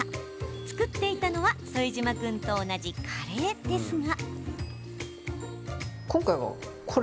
作っていたのは副島君と同じカレーですが。